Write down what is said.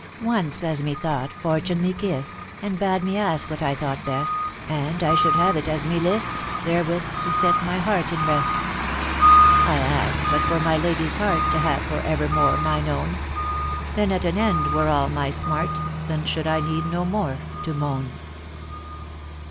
" Once, as methought, Fortune me kiss'd, And bade me ask what I thought best. And I should have it as me list, Therewith to set my heart in rest. I ask'd but for my lady's heart, To have for evermore mine own ; Then at an end were all my smart ; Then should I need no more to moan."